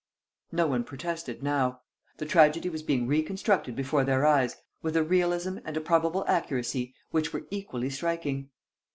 No one protested now. The tragedy was being reconstructed before their eyes with a realism and a probable accuracy which were equally striking.